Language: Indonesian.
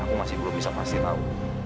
aku masih belum bisa pasti tahu